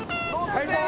最高！